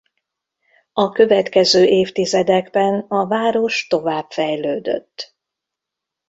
A következő évtizedekben a város tovább fejlődött.